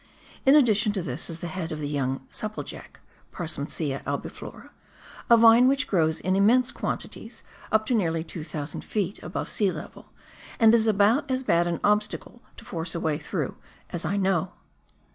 In addition to this is the head of the young " supplejack " [Parsomsia alliflora), a vine which grows in immense quantities up to nearly 2,000 ft. above sea level, and is about as bad an obstacle to force a way through as I know.